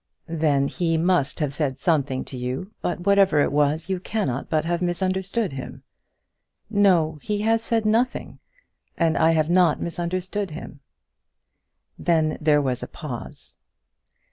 "Then he must have said something to you; but, whatever it was, you cannot but have misunderstood him." "No; he has said nothing, and I have not misunderstood him." Then there was a pause.